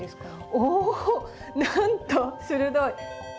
おっなんと鋭い！